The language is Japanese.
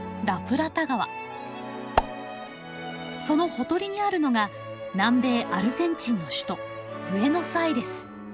そのほとりにあるのが南米アルゼンチンの首都ブエノスアイレス。